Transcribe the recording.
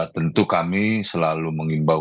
tentu kami selalu mengimbau